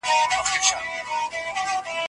د لاسي کارونو ګټي ډېري دي.